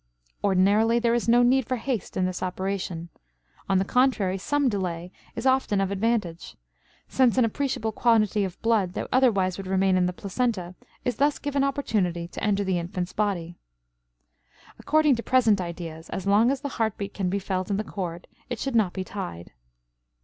Ordinarily there is no need for haste in this operation. On the contrary, some delay is often of advantage, since an appreciable quantity of blood that otherwise would remain in the placenta is thus given opportunity to enter the infant's body. According to present ideas, as long as the heart beat can be felt in the cord it should not be tied.